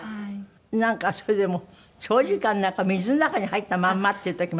なんかそれでも長時間水の中に入ったまんまっていう時もあったんですって？